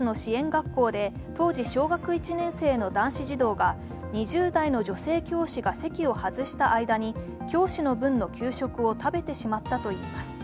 学校で当時小学１年生の男子児童が２０代の女性教師が席を外した間に教師の分の給食を食べてしまったといいます。